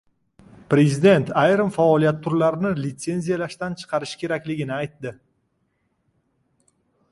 Prezident ayrim faoliyat turlarini litsenziyalashdan chiqarish kerakligini aytdi